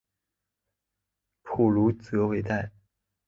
普卢泽韦代。